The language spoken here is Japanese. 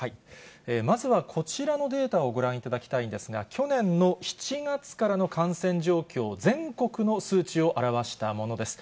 まずはこちらのデータをご覧いただきたいんですが、去年の７月からの感染状況、全国の数値を表したものです。